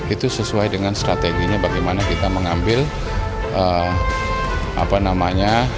itu sesuai dengan strateginya bagaimana kita mengambil apa namanya